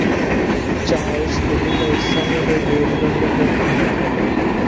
Charles বিভিন্ন স্থানীয়দের বিরোধিতার মুখোমুখি হন।